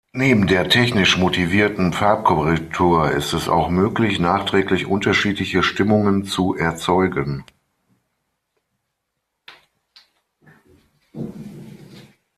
Neben der technisch motivierten Farbkorrektur ist es auch möglich, nachträglich unterschiedliche Stimmungen zu erzeugen.